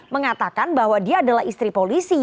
mengatakan bahwa dia adalah istri polisi